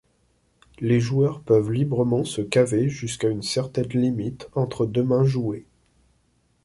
Les joueurs peuvent librement se caver jusqu’à une certaine limite entre deux mains jouées.